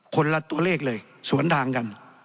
คนละตัวเลขเลยสวนทางกัน